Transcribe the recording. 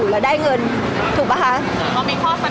พี่ตอบได้แค่นี้จริงค่ะ